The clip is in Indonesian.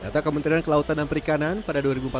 data kementerian kelautan dan perikanan pada dua ribu empat belas